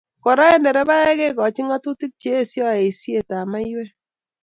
Kora ko nderebaek kekoch ngatutik che esioi eisetab maiywek